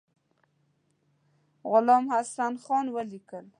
میرغلام حسین خان ولیکل.